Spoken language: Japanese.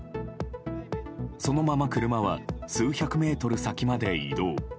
そのまま車は数百メートル先まで移動。